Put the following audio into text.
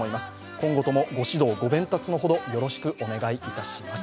今後ともご指導、ご鞭撻のほど、よろしくお願いいたします。